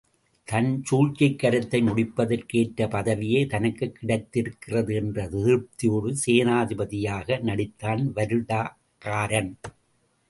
தன் சூழ்ச்சிக் கருத்தை முடிப்பதற்கு ஏற்ற பதவியே தனக்குக் கிடைத்திருக்கிறது என்ற திருப்தியோடு சேனாபதியாக நடித்தான் வருடகாரன்.